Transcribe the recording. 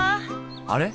あれ？